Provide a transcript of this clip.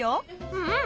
うん！